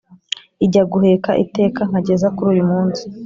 ijya iguheka iteka nkageza kuri uyu munsi